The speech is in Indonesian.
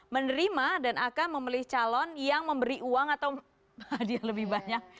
menerima dan akan memilih calon yang memberi uang atau hadiah lebih banyak